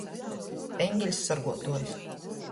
Eņgeļs sorguotuojs.